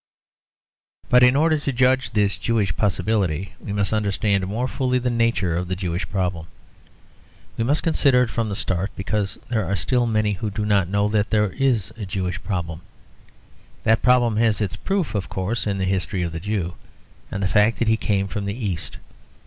But in order to judge this Jewish possibility, we must understand more fully the nature of the Jewish problem. We must consider it from the start, because there are still many who do not know that there is a Jewish problem. That problem has its proof, of course, in the history of the Jew, and the fact that he came from the East.